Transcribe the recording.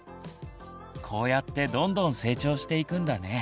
こうやってどんどん成長していくんだね。